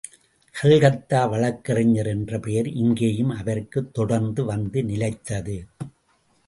கல்கத்தா வழக்கறிஞர் என்ற பெயர் இங்கேயும் அவருக்கு தொடர்ந்து வந்து நிலைத்தது.